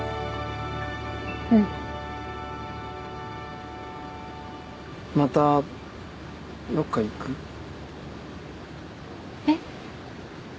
うんまたどっか行く？えっ？